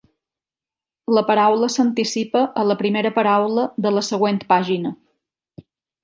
La paraula s'anticipa a la primera paraula de la següent pàgina.